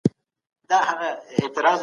دا نوی سافټویر ګردسره کار نه کوي.